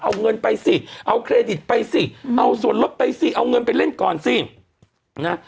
เอาเงินไปสิเอาเครดิตไปสิเอาส่วนลดไปสิเอาเงินไปเล่นก่อนสินะ